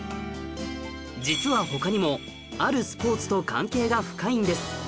実は他にもあるスポーツと関係が深いんです